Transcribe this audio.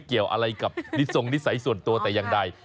ไม่เกี่ยวอะไรกับดิสงค์นี่สัยส่วนตัวแต่ยังได้